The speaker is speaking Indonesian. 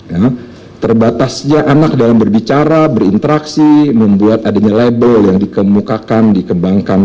ya terbatasnya anak dalam berbicara berinteraksi membuat adanya label yang dikemukakan dikembangkan